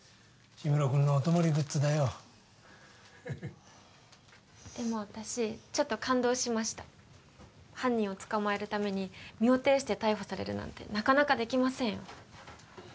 志村君のお泊まりグッズだよでも私ちょっと感動しました犯人を捕まえるために身をていして逮捕されるなんてなかなかできませんよ